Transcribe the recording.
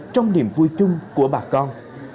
trong điểm vui chung của bà con